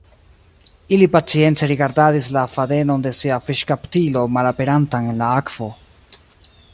Ili pacience rigardadis la fadenon de sia fiŝkaptilo malaperantan en la akvo.